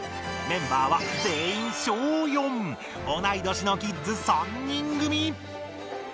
メンバーは全員おない年のキッズ３人ぐみ。